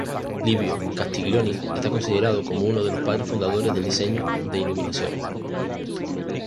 Livio Castiglioni está considerado como uno de los padres fundadores del Diseño de iluminación.